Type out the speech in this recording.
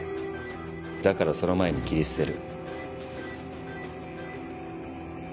だからその前に切り捨てる。